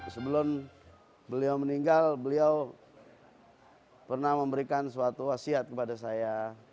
sebelum beliau meninggal beliau pernah memberikan suatu wasiat kepada saya